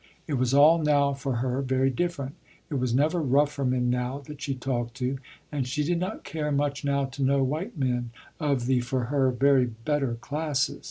It was all now for her very different. It was never rougher men now that she talked to, and she did not care much now to know white men of the, for her, very better classes.